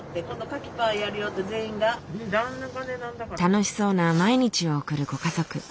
楽しそうな毎日を送るご家族。